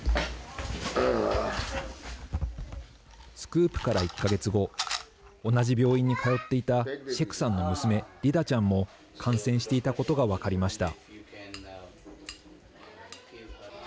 スクープから１か月後同じ病院に通っていたシェクさんの娘、リダちゃんも感染していたことが分かりました。